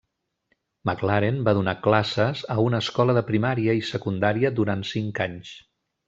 McLaren va donar classes a una escola de primària i secundària durant cinc anys.